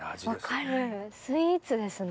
分かるスイーツですね。